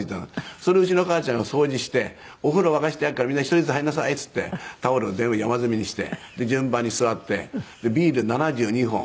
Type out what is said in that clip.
それうちの母ちゃんが掃除して「お風呂沸かしてあるからみんな１人ずつ入りなさい」って言ってタオル全部山積みにして順番に座ってビール７２本。